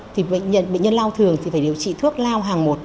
thì bệnh nhân lao thường thì phải điều trị thuốc lao hàng một